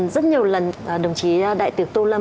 rất nhiều lần đồng chí đại tiệc tô lâm